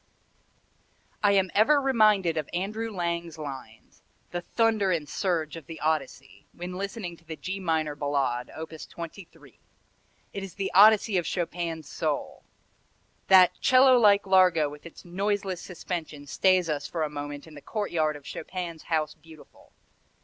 I am ever reminded of Andrew Lang's lines, "the thunder and surge of the Odyssey," when listening to the G minor Ballade, op. 23. It is the Odyssey of Chopin's soul. That 'cello like largo with its noiseless suspension stays us for a moment in the courtyard of Chopin's House Beautiful.